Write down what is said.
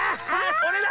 それだ！